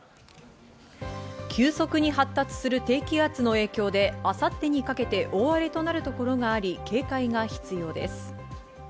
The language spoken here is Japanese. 急速に発達する低気圧の影響で明後日にかけて大荒れとなるところがあり、警戒が必要です。